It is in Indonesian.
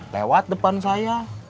lewat depan saya